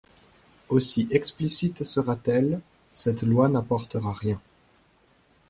Aussi explicite sera-t-elle, cette loi n’apportera rien.